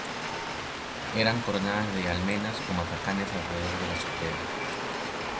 Eran coronadas de almenas o matacanes alrededor de la azotea.